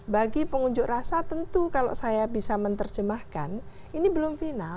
bagi pengunjuk rasa tentu kalau saya bisa menerjemahkan ini belum final dengan tersangka itu belum final